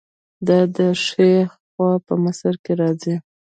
دا د ښي خوا په مصرو کې راځي.